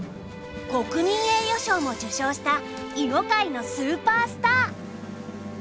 国民栄誉賞も受賞した囲碁界のスーパースター。